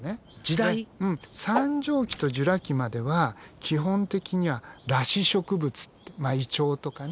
三畳紀とジュラ紀までは基本的には裸子植物ってイチョウとかね